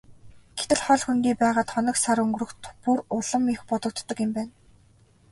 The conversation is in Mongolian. Гэтэл хол хөндий байгаад хоног сар өнгөрөх бүр улам их бодогддог юм байна.